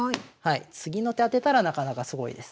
次の手当てたらなかなかすごいです。